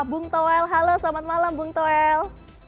bung toel halo selamat malam bung toel